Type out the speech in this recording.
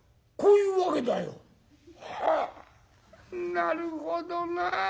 「はあなるほどな。